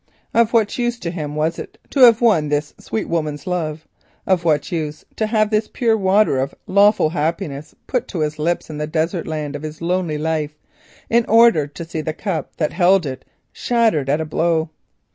Of what use to him was it to have won this sweet woman's love, of what use to have put this pure water of happiness to his lips in the desert of his lonely life, only to see the cup that held it shattered at a blow?